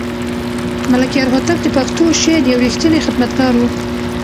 ملکیار هوتک د پښتو شعر یو رښتینی خدمتګار و.